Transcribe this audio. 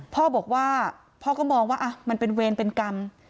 พ่อบอกว่าพ่อก็มองว่ามันเป็นเวรเป็นกรรม